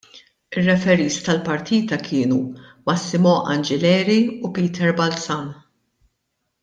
Ir-referis tal-partita kienu Massimo Angileri u Peter Balzan.